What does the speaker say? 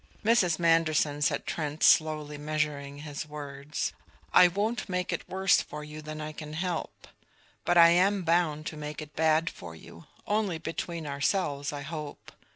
"Mrs. Manderson," said Trent, slowly measuring his words, "I won't make it worse for you than I can help. But I am bound to make it bad for you only between ourselves, I hope.